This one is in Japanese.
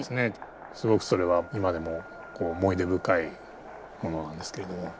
すごくそれは今でも思い出深いものなんですけれども。